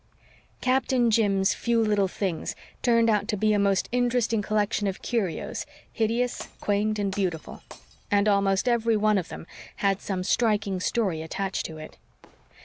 Captain Jim's "few little things" turned out to be a most interesting collection of curios, hideous, quaint and beautiful. And almost every one had some striking story attached to it.